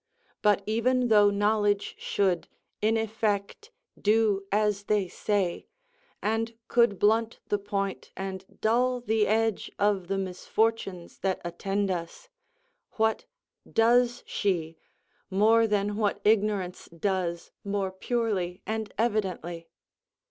But even though knowledge should, in effect, do as they say, and could blunt the point, and dull the edge, of the misfortunes that attend us, what does she, more than what ignorance does more purely and evidently?